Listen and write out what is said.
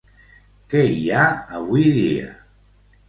Què hi ha avui dia?